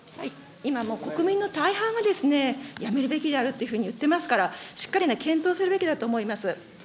今もう国民の大半が、辞めるべきであるというふうに言ってますから、しっかり検討するべきだと思います。